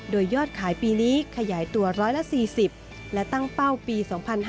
โดยยอดขายปีนี้ขยายตัว๑๔๐และตั้งเป้าปี๒๕๕๙